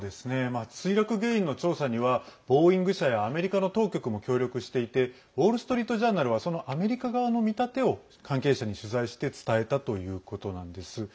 墜落原因の調査にはボーイング社やアメリカの当局も協力していてウォール・ストリート・ジャーナルはそのアメリカ側の見立てを関係者に取材して伝えたということなんです。